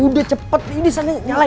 udah cepet ini disana